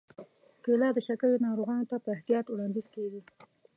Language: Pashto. کېله د شکرې ناروغانو ته په احتیاط وړاندیز کېږي.